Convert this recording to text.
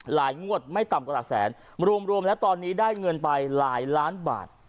งวดไม่ต่ำกว่าหลักแสนรวมแล้วตอนนี้ได้เงินไปหลายล้านบาท